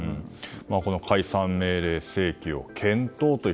解散命令請求を検討という